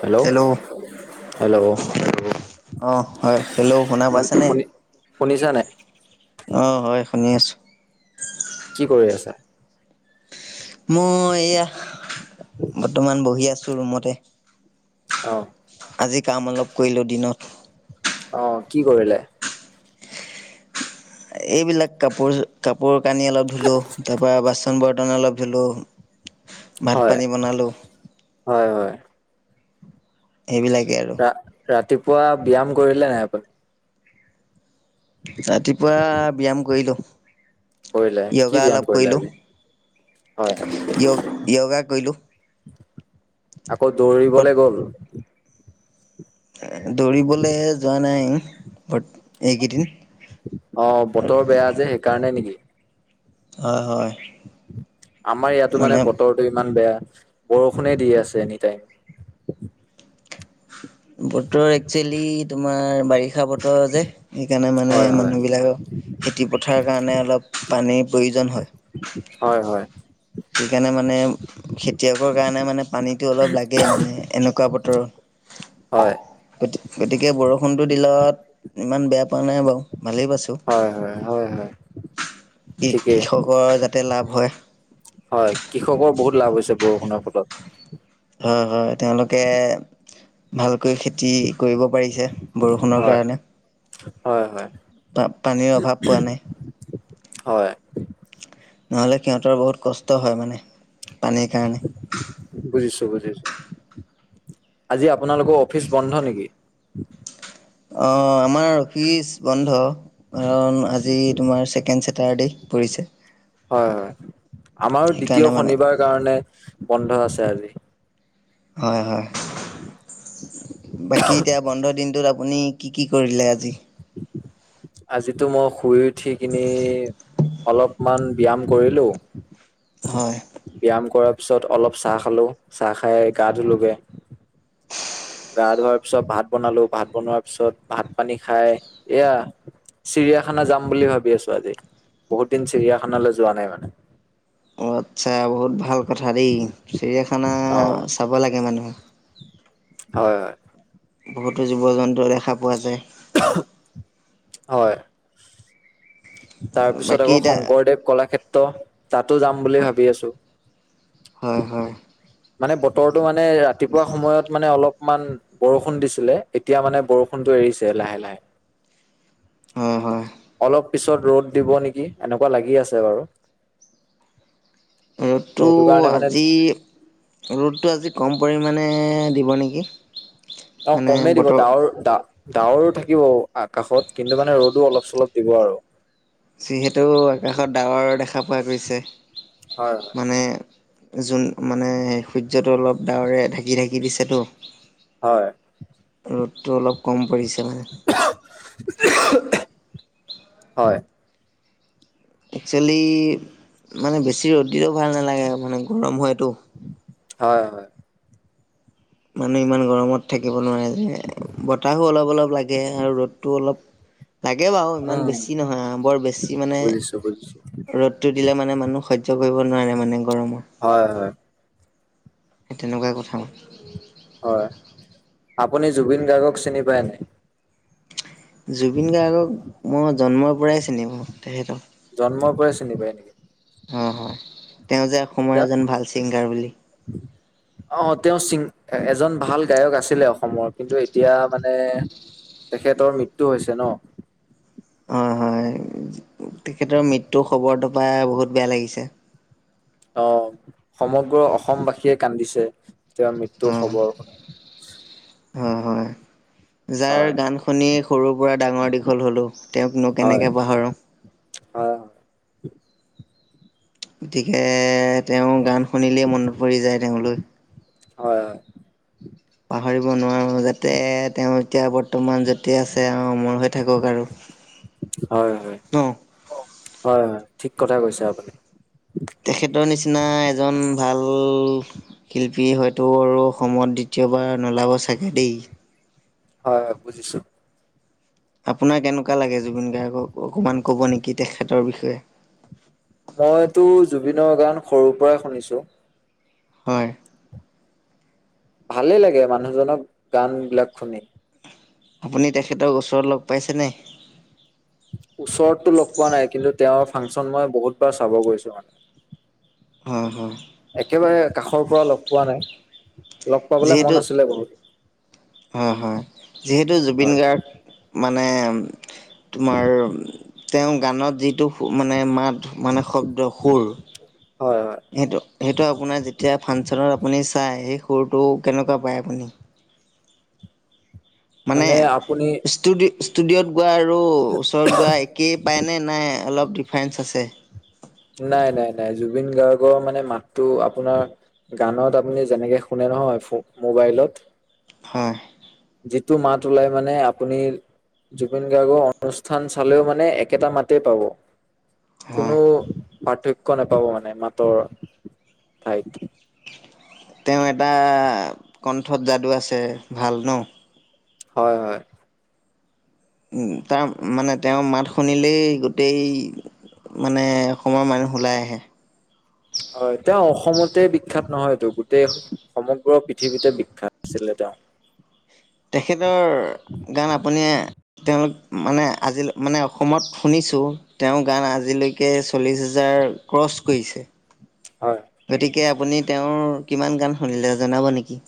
Hello hello hello অ' হয় hello শুনা শ পাইছেনে? শুনি শুনিছা নাই অ হয় শুনি আছোঁ কি কৰি আছা মই এয়া বৰ্তমান বহি আছো ৰুমতে অ আজি কাম অলপ কৰিলো দিনত অ কি কৰিলে এইবিলাক কাপোৰ কাপোৰ কানি অলপ ধুলোঁ তাৰ পৰাৰা বাচন বৰ্তন অলপ ধুলোঁ ভাত হয় পানী বনালো হয় হয় সেইবিলাকেই আৰু ৰা ৰাতিপুৱা ব্যায়াম কৰিলে নাইপ ৰাতিপুৱা ব্যায়াম কৰিলো কৰিলে কি োগা ব্যায়াম অলপ কৰিলে কৰিলো আজি হয় য়োগা কৰিলো আকৌ দৌৰিবলৈ গ'ল দৌৰিবলৈ যোৱা নাই ব এইকেইদিন অ বতৰ বেয়া যে সেইকাৰণে নেকি হয় হয় আমাৰ ইয়াতো মানে বতৰটো ইমান বেয়া বৰষুণে দি আছে এনি টাইম বতৰ একচুৱেলি তোমাৰ বাৰিষা বতৰ যে সেইকাৰণে মানে হয় হয় মানুহবিলাকৰ খেতি পথাৰৰ কাৰণে অলপ পানীৰ প্ৰয়োজন হয় হয় হয় সেইকাৰণে মানে খেতিয়কৰ কাৰণে মানে পানীটো অলপ লাগে মানে এনেকুৱা বতৰত হয় গ গতিকে বৰষুণটো দিলাত ইমান বেয়া পোৱা নাই বাৰু ভালেই পাইছোঁ হয় হয় হয় হয় ঠিকেই কৃষকৰ যাতে লাভ হয় হয় কৃষকৰ বহুত লাভ হৈছে বৰষুণৰ ফলত হয় হয় তেওঁলোকে ভালকৈ খতি কৰিব পাৰিছে বৰষুণৰ হয় কাৰণে হয় পা পানীৰ অভাৱ পোৱা নাই হয় নহ'লে সিহঁতৰ বহুত কষ্ট হয় মানে পানীৰ কাৰণে বুজিছো বুজিছো আজি আপোনালোকৰ অফিচ বন্ধ নেকি অ আমাৰ অফিচ বন্ধ কাৰণ আজি তোমাৰকে তাৰতে পৰিছে হয় হয় আমাৰো দ্বিতীয় সেইকাৰণে মানে শনিবাৰ কাৰণে বন্ধ আছে আজি হয় হয় বাকী এতিয়া বন্ধ দিনটোত আপুনি কি কি কৰিলে আজি আজিতো মই শুই উঠি কিিনি অলপ অমান ব্যায়াম কৰিলোঁ হয় ব্যায়াম কৰাৰ পিছত অলপ চাহ খালো চাহ খাই গা ধলোগে গা ধোৱাৰ পিছত ভাত বনালো ভাত বনোৱাৰ পিছত ভাত পানী খাই এয়া চিৰিয়াখানা যাম বুলি ভাবি আছো আজি বহুত দিন চিৰিয়াখানালৈ যোৱা নাই মানে অঁ আচ্ছা বহুত ভাল কথা দেই চিৰিয়াখানা অ চাব লাগে মানুহে হয় হয় বহুতো জীৱ জন্তু দেখা পোৱা যায় হয় তাৰপিছত বাকী আকৌ এতিয়া শংকৰদেৱ কলাক্ষেত্ৰ তাতো যাম বুলি ভাবি আছোঁ হয় হয় মানে বতৰটো মানে ৰাতিপুৱা সময়ত মানে অলপমান বৰষুণ দিছিলে এতিয়া মানে বৰষুণতটো এৰিছে লাহে লাহে অ হয় অলপ পিছত ৰ'দ দিব নেকি এনেকুৱা লাগি আছে বাৰু ত ৰ'দটো সেইটো কাৰণে মানে আজি ৰ'দটো আজি কম পৰিমাণে দিব নেকি অ মানে কমেই দিব বতৰ দাৱৰ দা দাৱৰো থাকিব আকাশত কিন্তু মানে ৰ'দো অলপ চলপ দিব আৰু যিহেতু আকাশত ডাৱৰ দেখা পোৱা গৈছে হয় হয় মানে যোন মানে সূৰ্যটো অলপ ডাৱৰে ঢাকি ঢাকি দিছেতো হয় ৰ'দটো অলপ কম পৰিছে মানে হয় একচুৱেলি মানে বেছি ৰ'দ দিলো ভাল নালাগে মানে গৰম হয়তো হয় হয় মানুহ ইমান গৰমত থাকিব নোৱাৰে যে বতাহো অলপ অলপ লাগে আৰু ৰ'দটো অলপ লাগে বাৰু ইমান উম বেছি নহয় বৰ বেছি মানে বুজিছো বুজিছো ৰ টো দিলে মানে মানুহ সহ্য কৰিব নোৱাৰে মানে গৰমত হয় হয় সেই তেনেকুৱাই কথা মানে হয় আপুনি জুবিন গাৰ্গক চিনি পায় নাই জুবিন গাৰ্গক মই জন্মৰ পৰাই চিনি পাও তেখেতক জন্মৰ পৰাই চিনি পায় নেকি অ হয় তেওঁ যে অসমৰ এজন ভাল ছিংগাৰ বুলি উম অ তেওঁ ছিংগ এজন ভাল গায়ক আছিলে অসমৰ কিন্তু এতিয়া মানে তেখেতৰ মৃত্যু হৈছে ন হয় হয় তেখেতৰ মৃত্যুৰ খবৰটো পাও বহুত বেয়া লাগিছে অ সমগ্ৰ অসমবাসীয়ে কান্দিছে তেওঁৰ মৃত্যুৰ খবৰ শুনি হয় হয় যাৰ হয় গান শুনি সৰুৰ পৰা ডাঙৰ দীঘল হ'লোঁ তেওঁকনো হয় কেনেকৈ পাহৰোঁ হয় গতিকে তেওঁ গান শুনিলেই মনত পৰি যায় তেওঁলৈ হয় হয় পাহৰিব নোৱাৰো যাতে তেওঁ এতিয়া বৰ্তমান য'তে আছে আৰু আমৰ হয় হয় ন হয় হয় ঠিক কথা কৈছে আপুনি তেখেতৰ নিচিনা এজন ভাল শিল্পী হয়তো আৰু অসমত দ্বিতীয়বাৰ নোলাব চাগে দেই হয় হয় বুজিছো আপোনাৰ কেনেকুৱা লাগে জুবিন গাৰ্গক অকণমান ক'ব নেকি তেখেতৰ বিষয়ে মইতো জুবিনৰ গান সৰুৰ পৰাই শুনিছো হয় ভালে লাগে মানুহজনক গান বিলাক শুনি আপুনি তেখেতৰ ওচৰত লগ পাইছে নে ওচৰতো লগ পোৱা নাই কিন্তু তেওঁৰ ফাংচন মই বহুতবাৰ চাব গৈছো মানে হ হা একেবাৰে কাষৰ পৰা লগ পোৱা নাই লগ পাবলে যিহেতু মন আছিলে বহুত হয় হয় যিহেতু জুবিন হয় গাৰ্গ মানে তোমাৰ তেওঁ গানত যিটো মানে মাত মানে শব্দ সুৰ হয় হয় সেইটো সেইটো আপোনাৰ যেতিয়া ফাংচনত আপুনি চাই সেই সুৰটো কেনেকুৱা পায় আপুনি মানে ষ্টুডি ষ্টুডিঅ'ত গোৱা আৰু ওচৰত গোৱা একেই পায়নে নাই অলপ ডিফাৰেঞ্চ আছে নাই নাই নাই জুবিন গাৰ্গৰ মানে মাতটো আপোনাৰ গানত আপুনি যেনেকে শুনে নহয় ফো‌ মোবাইলত হয় যিটো মাত ওলাই মানে আপুনি জুবিন গাৰ্গৰ অনুষ্ঠান চালেও মানে একেটা মাতেই পাব হয় কোনো পাৰ্থক্য নাপাব মানে মাতৰ ঠাইত তেওঁ এটাহ কণ্ঠত যাদু আছে ভাল ন হয় হয় তাৰ মানে তেওঁ মাত শুনিলেই গোটেই মানে অসমৰ মানুহ ওলাই আহে। হয় তেওঁ অসমতে বিখ্যাত নহয়টো গোটেই সমগ্ৰ পৃথিৱীতে বিখ্যাত আছিলে তেওঁ তেখেতৰ গান আপুনি তেওঁলোক মানে আজিলে মানে অসমত শুনিছোঁ তেওঁৰ গান আজিলৈকে চল্লিছ হাজাৰ ক্ৰছ কৰিছে হয় গতিকে আপুনি তেওঁৰ কিমান গান শুনিলে জনাব নেকি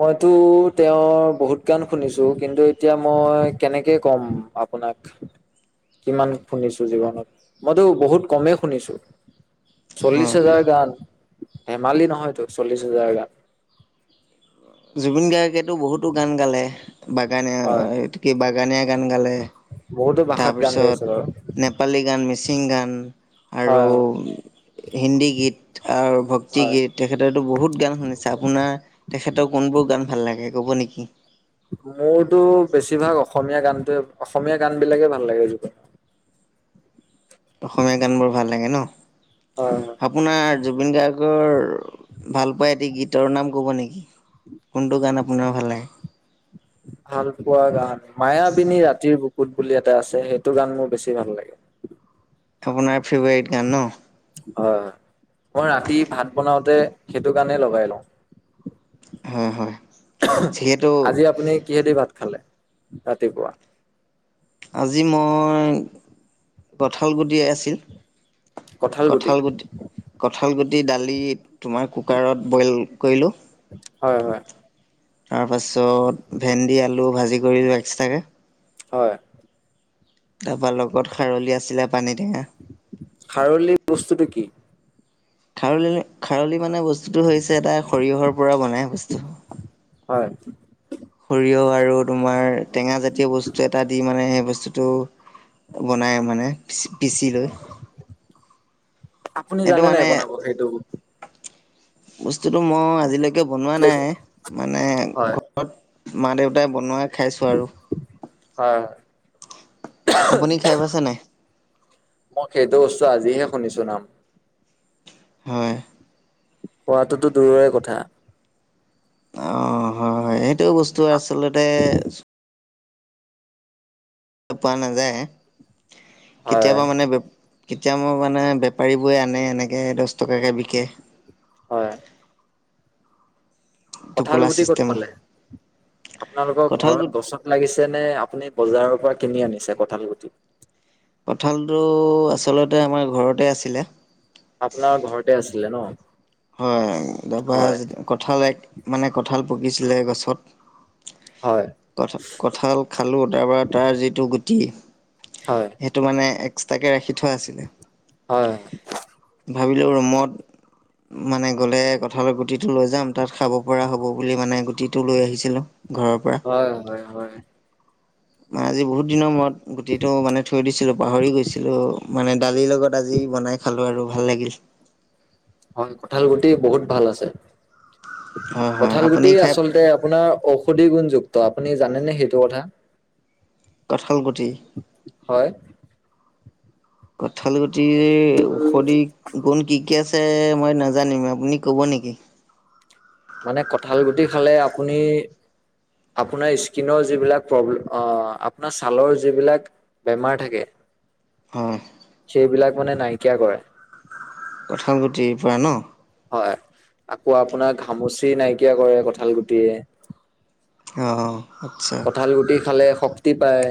মইতো তেওঁৰ বহুত গান শুনিছো কিন্তু এতিয়া মই কেনেকে ক'ম আপোনাক। কিমান শুনিছো জীৱনত মইতো বহুত কমেই শুনিছো। চল্লিশ হয়। হেজাৰ গান ধেমালি নহয়তো চল্লিশ হেজাৰ গান। জুবিন গাৰ্গেতো বহুতো গান গালে বাগানীয়া হয় এইটো কি বাগানীয়া গান গালে। বহুতো ভাষাত গান গাই তাৰপিছত বাৰু নেপালী গান মিচিং গান আৰু হয় হয় হিন্দী গীত আৰু ভ ভক্তি হয় গীত তেখেতো বহুত গান শুনিছা আপোনাৰ তেখেতৰ কোনবোৰ গান ভাল লাগে ক'ব নেকি মোৰতো বেছিভাগ অসমীয়া গানটোৱে অসমীয়া গান বিলাকে ভাল লাগে। অসমীয়া গানবোৰ ভাল লাগে ন। হয় হয় আপোনাৰ জুবিন গাৰ্গৰ ভালপোৱা এটি গীতৰ নাম ক'ব নেকি। কোনটো গান আপোনাৰ ভাল লাগে। ভাল পোৱা গান মায়াবিনী ৰাতিৰ বুকুত বুলি এটা আছে সেইটো গান মোৰ বেছি ভাল লাগে। [unintelligible] আপোনাৰ ফ্ৰেভাৰেট গান ন হয় হয় মই ৰাতি ভাত বনাওতে সেইটো গানে লগাই লওঁ উম হয় যিহেতু আজি আপুনি কিহে দি ভাত খালে ৰাতিপুৱা আজি মই কঠালগুটি‌ আছিল। কঁঠাল গুটি, কঁঠাল গুটি, দালি তোমাৰ কুকাৰত বইল কৰিলোঁ। হয় হয়। তাৰপাছত, ভেন্দি -আলু ভাজি কৰিলোঁ এক্সট্ৰাকে। হয়। তাৰপা লগত খাৰলি আছিলে, পানীটেঙা। খাৰলি বস্তুটো কি? খাৰলি, খাৰলি মানে বস্তুটো হৈছে এটা সৰিয়হৰ পৰা বনাই বস্তু। হয়। সৰিয়হ আৰু তোমাৰ টেঙা জাতীয় বস্তু এটা দি মানে সেই বস্তুটো বনাই মানে। পি পিচি লৈ আপুনি এইটো জানে নাই, মানে বনাব সেইটো? বস্তুটো ম আজিলৈকে বনোৱা হয়, নাই মানে হয়, ঘ ঘৰত মা দেউতাই বনোৱাই খাইছো আৰু। হয়। আপুনি খাই পাইছে নাই? মই সেইটো বস্তু আজিহে শুনিছো নাম। হয়। খোৱাটোতো দূৰৰে কথা। অঁ হয় হ হয়। সেইটো বস্তু আচলতে পোৱা নাযায়, হয়, কেতিয়াবা মানে ব কেতিয়াবা মানে বেপাৰী বোৱে আনে এনেকে দচ টকাকে বিকে। হয়। কঁঠাল টোপোলা গুটি ক'ত চিষ্টেমত। পালে আপোনালোকৰ কঁঠাল ঘৰত গছত লাগিছে নে? আপুনি বজাৰৰ পৰা কিনি আনিছে কঁঠাল গুটি? কঁঠলটো আচলতে আমাৰ ঘৰতে আছিলে। আপোনাৰ ঘৰতে আছিলে ন! হয় তাৰপা হয়, কঁঠাল এক মানে কঁঠাল পকিছিলে গছত। হয়, কঠা কঁঠাল খালোঁ তাৰ পৰা তাৰ যিটো গুটি হয়। সেইটো মানে এক্সট্ৰাকে ৰাখি থোৱা আছিলে হয়, ভাবিলোঁ ৰুমত মানে গ'লে কঠালৰ গুটিটো লৈ যাম। তাত খাব পৰা হ'ব বুলি মানে গুটিটো লৈ আহিছিলো। ঘৰৰ পৰা। হয় হয় হয়। মই আজি বহুত দিনৰ মূৰত, গুটিটো মানে থৈ দিছিলোঁ পাহৰি গৈছিলোঁ। মানে দালিৰ লগত আজি বনাই খালো আৰু ভাল লাগিল। হয়, কঠাল গুটি বহুত ভাল আছে হয় হয় কঠাল আপুনি গুটি খাই আচলতে আপোনাৰ ঔষধি গুণযুক্ত। আপুনি জানেনে সেইটো কথা? কঁঠাল গুটি হয়। কঁঠাল গুটিৰ ঔষধি গুণ কি কি আছে, মই নাজানিম। আপুনি ক'ব নেকি? মানে কঁঠাল গুটি খালে আপুনি আপোনাৰ স্কিনৰ যিবিলাক প্ৰব্লেম অঁ আপোনাৰ ছালৰ যিবিলাক বেমাৰ থাকে হঁ। সেইবিলাক মানে নাইকিয়া কৰে কথা গুতিৰ পৰা ন হয় আকৌ আপোনাক ঘামুচি নাইকিয়া কৰে কঁঠাল গুটিয়ে অঁ আচ্ছা কঁঠাল গুটি খালে শক্তি পায়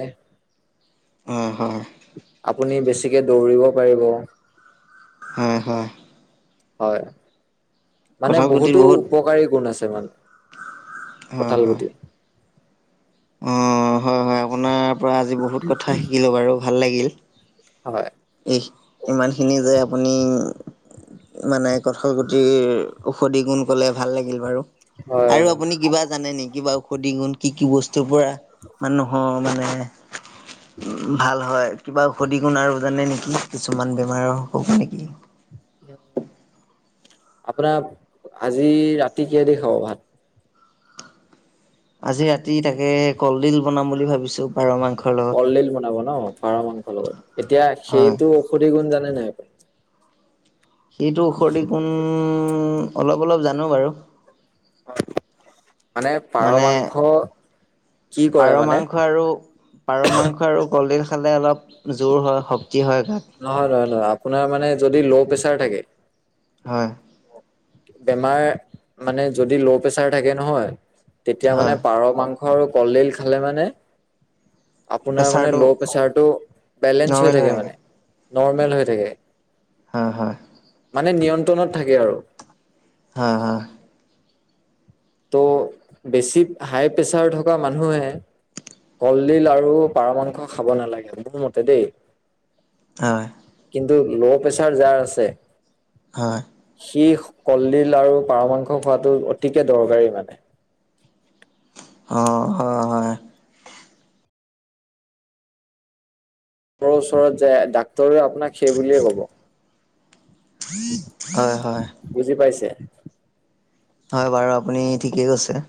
হয় হয় আপুনি বেছিকে দৌৰিব পাৰিব হয় হয় হয় মানে কঁঠাল গুটিৰ বহুতো বহুত উপকাৰী গুণ আছে ন হয় কঁঠাল হয় গুটি অঁ হয় হয় আপোনাৰ পৰা আজি বহুত কথা শিকিলোঁ বাৰু ভাল লাগিল হয় এই ইমানখিনি যে আপুনি মানে কঠল গুটিৰ ঔষধি গুণ ক'লে ভাল লাগিল বাৰু হয় আৰু আপুনি কিবা জানে নেকি কিবা ঔষধি গুণ কি কি বস্তুৰ পৰা মানুহয় মানে উ ভাল হয় কিবা ঔষধি গুণ আৰু জানে নেকি কিছুমান বেমাৰৰ হুব নেকি আপোনাৰ আজি ৰাতি কিয় দে খাব ভাত আজি ৰাতি তাকে কলডিল বনাম বুলি ভাবিছো পাৰ মাংস লগ কলডিল বনাব ন পাৰ মাংসৰ লগত এতিয়া হয়। সেইটো ঔষধি গুণ জানে নাই আপুনি সেইটো ঔষধিক গুন অলপ অলপ জানো বাৰু হয় মানে পাৰ মানে মাংস কি পাৰ কৰে মানে মাংস আৰু পাৰ মাংস আৰু কলডিল খালে অলপ জোৰ হয় শক্তি হয় গাত নহয় নহয় নহয় আপোনাৰ মানে যদি ল' প্ৰেছাৰ থাকে হয় বেমাৰ মানে যদি ল' প্ৰেচাৰ থাকে নহয় তেতিয়া মানে হয় পাৰ মাংস আৰু কলদিল খালে মানে আপোনাৰ মানে প্ৰেছাৰটো ল' প্ৰেচাৰটো বেলেঞ্চ হৈ থাকে মানে নৰ্মেল হৈ থাকে হয় হয় মানে নিয়ন্ত্ৰণত থাকে আৰু হ হা ত' বেছি হাই প্ৰেছাৰ থকা মানুহে কলডিল আৰু পাৰ মাংস খাব নালাগে মোৰ মতে দেই হয় কিন্তু ল' প্ৰেচাৰ যাৰ আছে হয় সি কলডিল আৰু পাৰ মাংস খোৱাাতটো অতিকে দৰকাৰী মানে অ হয় হয় ৰ ওচৰত যায় ডাক্তৰে আপোনাক সেই বুলিয়েই ক'ব হয় হয় বুজি পাইছে হয় বাৰু আপুনি ঠিকেই কৈছে